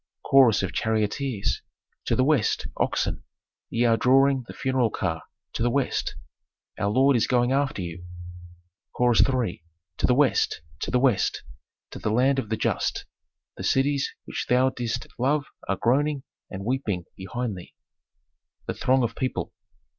Chorus of charioteers. "To the West, oxen, ye are drawing the funeral car, to the West! Our lord is going after you." Chorus III. "To the West, to the West, to the land of the just! The cities which thou didst love are groaning and weeping behind thee." _The throng of people.